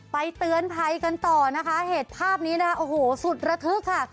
เตือนภัยกันต่อนะคะเหตุภาพนี้นะคะโอ้โหสุดระทึกค่ะ